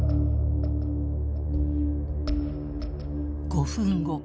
５分後。